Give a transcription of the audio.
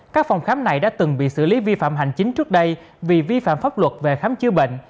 các phòng khám này đã từng bị xử lý vi phạm hành chính trước đây vì vi phạm pháp luật về khám chữa bệnh